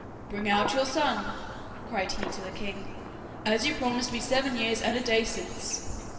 'Bring out your son,' cried he to the king, 'as you promised me seven years and a day since.